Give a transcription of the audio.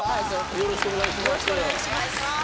よろしくお願いします。